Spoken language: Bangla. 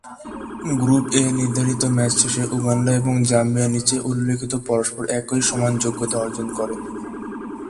গ্রুপ এ এর নির্ধারিত ম্যাচ শেষে, উগান্ডা এবং জাম্বিয়া নিচে উল্লেখিত পরস্পর একই সমান যোগ্যতা অর্জন করে।